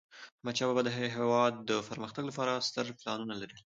احمدشاه بابا د هیواد د پرمختګ لپاره ستر پلانونه لرل.